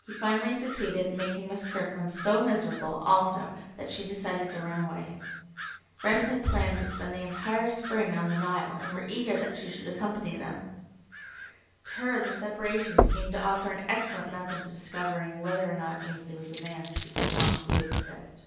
He finally succeeded in making Miss Kirkland so miserable also that she decided to run away. Friends had planned to spend the early spring on the Nile and were eager that she should accompany them. To her the separation seemed to offer an excellent method of discovering whether or not Ainsley was the man she could not "live without."